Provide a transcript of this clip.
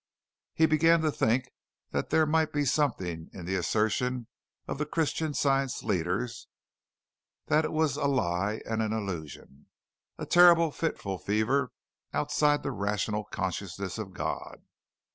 He began to think that there might be something in the assertion of the Christian Science leaders that it was a lie and an illusion, a terrible fitful fever outside the rational consciousness of God.